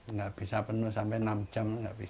nggak bisa penuh sampai enam jam nggak bisa